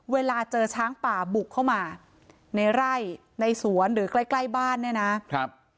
เวลาเจอช้างป่าบุกเข้ามาในไร่ในสวนหรือใกล้ใกล้บ้านเนี่ยนะครับ